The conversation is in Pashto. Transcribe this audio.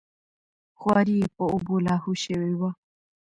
خواري یې په اوبو لاهو شوې وه.